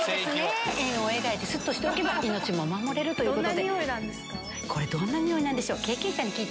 円を描いてすっとしておけば命も守れるということで。